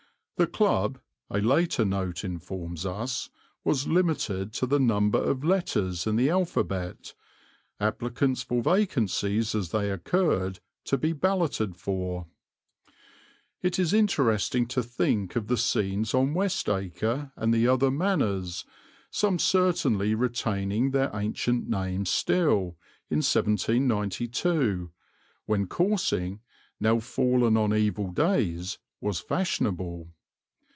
The club, a later note informs us, was limited to the number of letters in the alphabet, applicants for vacancies as they occurred to be balloted for. It is interesting to think of the scenes on Westacre and the other manors, some certainly retaining their ancient names still, in 1792, when coursing, now fallen on evil days, was fashionable.